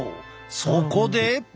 そこで。